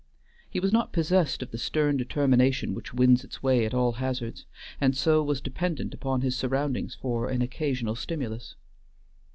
He was not possessed of the stern determination which wins its way at all hazards, and so was dependent upon his surroundings for an occasional stimulus.